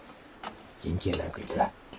元気やなこいつは。